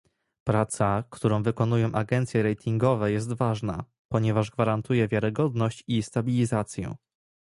Praca, którą wykonują agencje ratingowe jest ważna, ponieważ gwarantuje wiarygodność i stabilizację